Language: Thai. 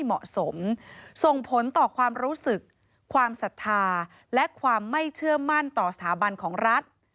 ไม่เชื่อมั่นต่อสถาบันของรัฐ